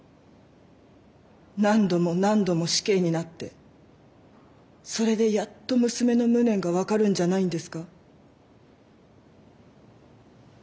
何度も何度も死刑になってそれでやっと娘の無念が分かるんじゃないんですか？